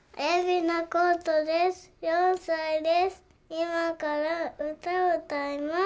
いまからうたをうたいます。